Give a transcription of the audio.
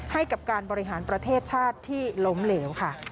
ให้กับการบริหารประเทศชาติที่ล้มเหลวค่ะ